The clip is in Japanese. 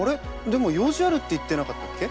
でも用事あるって言ってなかったっけ？